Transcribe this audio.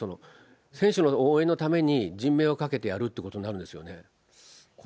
選手の応援のために、人命を懸けてやるということになるんですよね。